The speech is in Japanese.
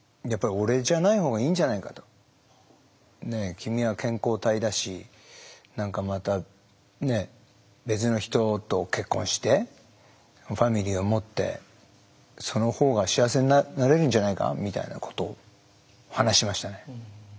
君は健康体だし何かまた別の人と結婚してファミリーを持ってそのほうが幸せになれるんじゃないかみたいなことを話しましたね。